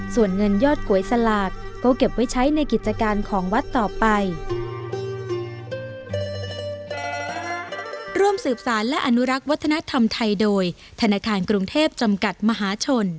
ส่วนเงินยอดก๋วยสลากก็เก็บไว้ใช้ในกิจการของวัดต่อไป